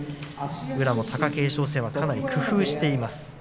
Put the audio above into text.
宇良も貴景勝戦を工夫しています。